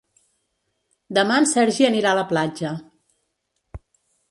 Demà en Sergi anirà a la platja.